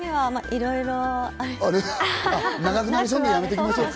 いろいろ。